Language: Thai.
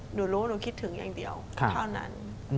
หนูรู้หนูคิดถึงอย่างเดียวเท่านั้น